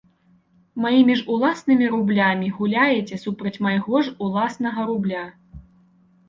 Маімі ж уласнымі рублямі гуляеце супраць майго ж уласнага рубля.